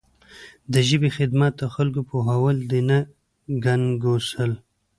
د ژبې خدمت د خلکو پوهول دي نه ګنګسول.